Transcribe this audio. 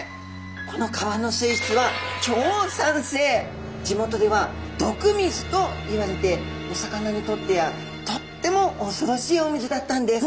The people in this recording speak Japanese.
この川の水質は地元では毒水といわれてお魚にとってはとってもおそろしいお水だったんです。